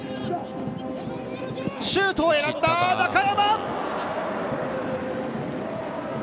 シュートを選んだ中山！